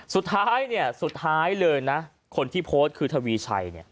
สุดท้ายสุดท้ายเลยนะคนที่โพสต์คือทวีชัย